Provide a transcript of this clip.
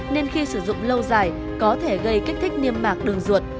nên khi sử dụng lâu dài có thể gây kích thích niêm mạc đường ruột